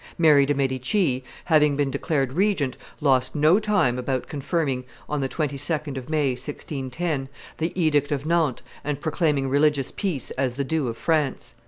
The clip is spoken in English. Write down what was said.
Mary de' Medici, having been declared regent, lost no time about confirming, on the 22d of May, 1610, the edict of Nantes and proclaiming religious peace as the due of France.